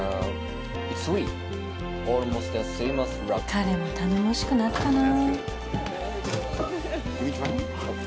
彼も頼もしくなったな。